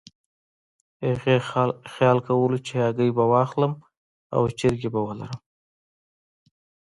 هغې خیال کولو چې هګۍ به واخلم او چرګې به ولرم.